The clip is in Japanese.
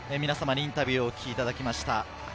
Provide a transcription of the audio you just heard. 皆様にインタビューをお聞きいただきました。